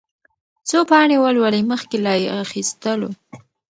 څو پاڼې ولولئ مخکې له اخيستلو.